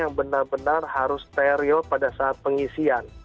yang benar benar harus steril pada saat pengisian